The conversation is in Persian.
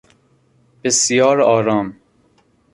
بسیار آرام